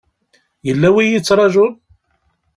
Yella wi y-ittrajun?